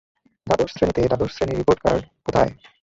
দ্বাদশ শ্রেণিতে, - দ্বাদশ শ্রেণির রিপোর্ট কার্ড কোথায়?